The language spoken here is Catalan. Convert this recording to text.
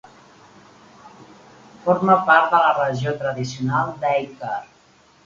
Forma part de la regió tradicional d'Eiker.